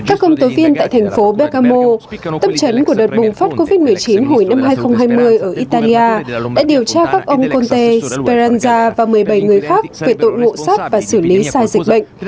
các công tố viên tại thành phố bergamo tâm trấn của đợt bùng phát covid một mươi chín hồi năm hai nghìn hai mươi ở italia đã điều tra các ông conte speranza và một mươi bảy người khác về tội lộ sát và xử lý sai dịch bệnh